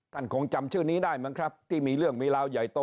คงจำชื่อนี้ได้มั้งครับที่มีเรื่องมีราวใหญ่โต